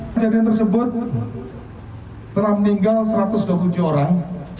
kejadian tersebut telah meninggal satu ratus dua puluh tujuh orang